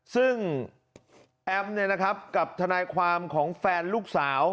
ซึ่งแอมกับทนายความของแฟนลูกสาว